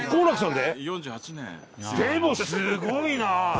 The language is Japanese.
でもすごいな。